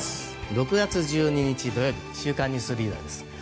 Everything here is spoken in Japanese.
６月１２日、土曜日「週刊ニュースリーダー」です。